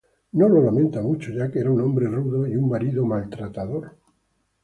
No lo lamenta mucho, ya que era un hombre rudo y un marido abusivo.